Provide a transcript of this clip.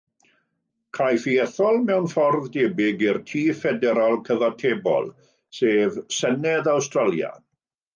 Caiff ei ethol mewn ffordd debyg i'r tŷ ffederal cyfatebol, sef Senedd Awstralia.